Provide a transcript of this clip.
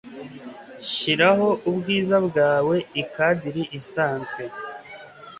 Shiraho ubwiza bwawe ikadiri isanzwe